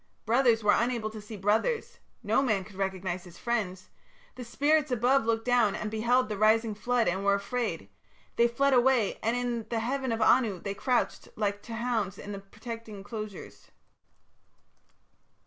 Brothers were unable to see brothers; no man could recognize his friends.... The spirits above looked down and beheld the rising flood and were afraid: they fled away, and in the heaven of Anu they crouched like to hounds in the protecting enclosures.